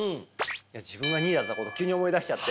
自分が２位だったこと急に思い出しちゃって。